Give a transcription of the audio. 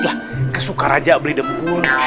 udah kesukar aja beli debu